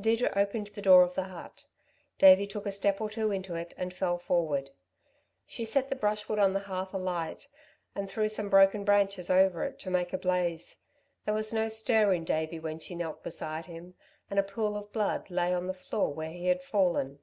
Deirdre opened the door of the hut. Davey took a step or two into it and fell forward. She set the brushwood on the hearth alight, and threw some broken branches over it to make a blaze. There was no stir in Davey when she knelt beside him, and a pool of blood lay on the floor where he had fallen.